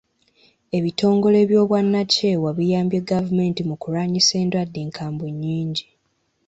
Ebitongole by'obwannakyewa biyambye gavumenti mu kulwanyisa endwadde enkambwe nnyingi.